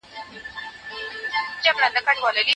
ما واورېدل چی د سړي سر عايد لوړ سوی.